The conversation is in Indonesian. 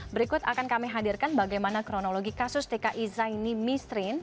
berikut akan kami hadirkan bagaimana kronologi kasus tki zaini misrin